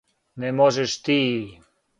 Не можеш ти.